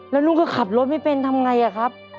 แล้วลุงก็ขับรถไม่เป็นทำไงอะครับ